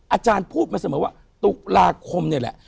อาจารย์พูดมาเสมอว่าตุลาคมนี่แหละ